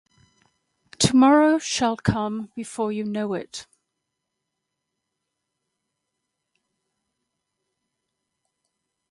Tomorrow shall come before you know it.